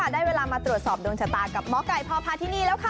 ได้เวลามาตรวจสอบดวงชะตากับหมอไก่พอพาที่นี่แล้วค่ะ